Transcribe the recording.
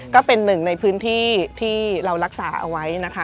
ก็เป็นหนึ่งในพื้นที่ที่เรารักษาเอาไว้นะคะ